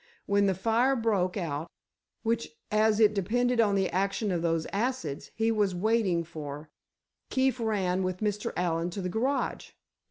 When the fire broke out—which as it depended on the action of those acids, he was waiting for, Keefe ran with Mr. Allen to the garage.